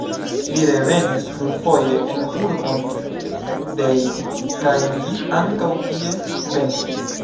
Li revenis plurfoje en urbon Dej kaj li ankaŭ tie pentris.